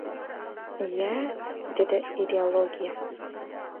— Iya! — dedi Ideologiya.